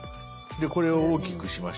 これを大きくしました。